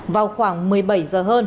vào khoảng một mươi bảy h